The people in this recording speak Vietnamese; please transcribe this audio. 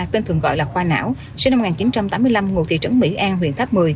tên thường gọi là khoa não sinh năm một nghìn chín trăm tám mươi năm ngụ thị trấn mỹ an huyện tháp một mươi